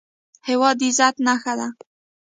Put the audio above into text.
هېواد د عزت نښه ده